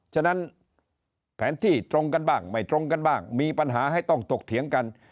ฉะนั้นแผนที่ตรงกันบ้างไม่ตรงกันบ้างมีปัญหาให้ต้องตกเถียงกัน